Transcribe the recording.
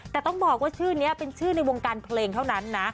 แต่ต้องบอกว่าชื่อนี้เป็นชื่อในวงการเพลงเท่านั้นนะ